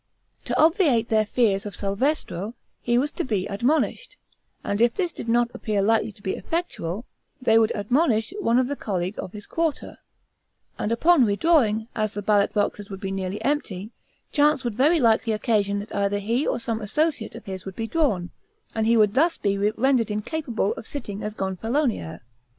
To obviate their fears of Salvestro, he was to be ADMONISHED, and if this did not appear likely to be effectual, they would "ADMONISH" one of the Colleague of his quarter, and upon redrawing, as the ballot boxes would be nearly empty, chance would very likely occasion that either he or some associate of his would be drawn, and he would thus be rendered incapable of sitting as Gonfalonier.